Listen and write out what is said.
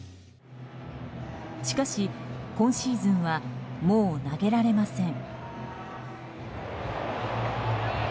しかし、今シーズンはもう投げられません。